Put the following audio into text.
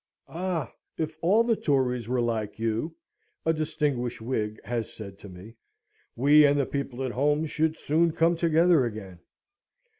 "Ah! if all the Tories were like you," a distinguished Whig has said to me, "we and the people at home should soon come together again."